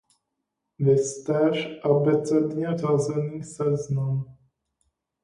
Viz též abecedně řazený seznam.